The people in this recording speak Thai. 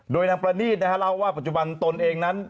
โดยนางประนีตนะฮะเล่าว่าปัจจุบันตนเองนั้น